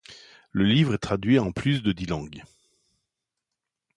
Le livre est traduit en plus de dix langues.